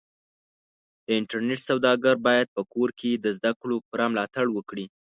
د انټرنېټ سوداګر بايد په کور کې د زدهکړو پوره ملاتړ وکړي.